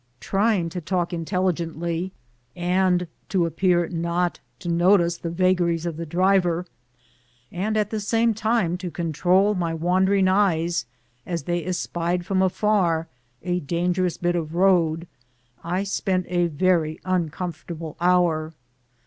Trying to talk intelligently, and to appear not to no tice the vagaries of the driver, and at the same time to control my wandering eyes as they espied from afar a dangerous bit of road, I spent a very uncomfortable hour.